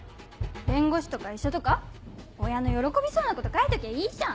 弁護士とか医者とか親の喜びそうなこと書いときゃいいじゃん。